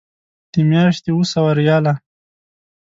د میاشتې اوه سوه ریاله.